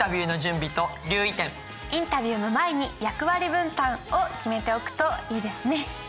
インタビューの前に役割分担を決めておくといいですね。